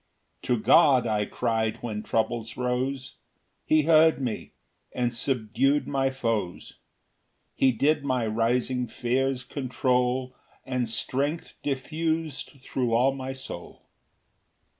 4 To God I cry'd when troubles rose; He heard me, and subdu'd my foes, He did my rising fears control, And strength diffus'd thro' all my soul.